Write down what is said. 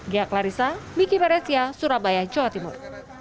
gia klarissa miki maretia surabaya jawa timur